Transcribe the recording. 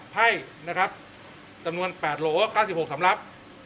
ไพ่จำนวน๘โหล๙๖สำหรับ